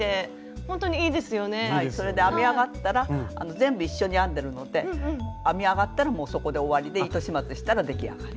それで編み上がったら全部一緒に編んでるので編み上がったらもうそこで終わりで糸始末したら出来上がり。